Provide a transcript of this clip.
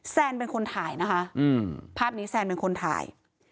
แซนเป็นคนถ่ายนะคะภาพนี้แซนเป็นคนถ่าย